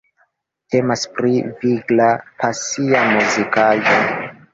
Temas pri vigla, pasia muzikaĵo.